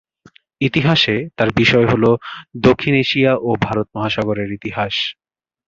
ইতিহাসে তার বিষয় হল দক্ষিণ এশিয়া ও ভারত মহাসাগরের ইতিহাস।